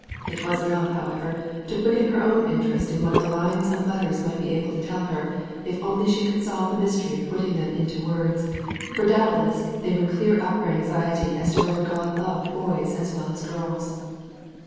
It was enough, however, to quicken her own interest in what the lines of letters might be able to tell her if only she could solve the mystery of putting them into words, for doubtless they would clear up her anxiety as to whether God loved boys as well as girls.